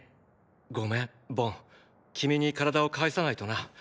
ごめんボン君に体を返さないとな。